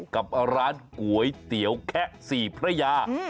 กับร้านก๋วยเตี๋ยวแคะสี่พระยา